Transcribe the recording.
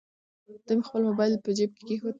ده خپل موبایل په جیب کې کېښود.